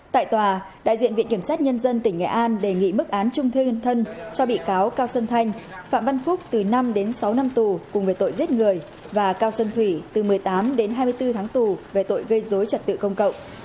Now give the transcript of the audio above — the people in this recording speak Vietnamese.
tại tòa đại diện viện kiểm sát nhân dân tỉnh nghệ an đề nghị mức án trung thân cho bị cáo cao xuân thanh phạm văn phúc từ năm đến sáu năm tù cùng với tội giết người và cao xuân thủy từ một mươi tám đến hai mươi bốn tháng tù về tội gây dối trật tự công cộng